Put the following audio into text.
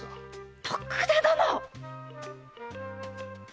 徳田殿！